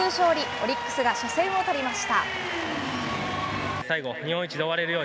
オリックスが初戦を取りました。